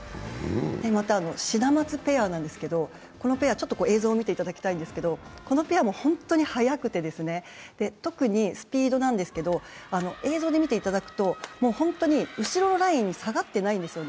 またシダマツペアなんですけどこのペア、映像を見ていただきたいんですけどこのペアも本当に速くて特にスピードなんですけど映像で見ていただくと本当に後ろのラインに下がってないんですよね。